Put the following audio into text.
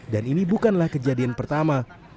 dan ini bukanlah kejadian pertama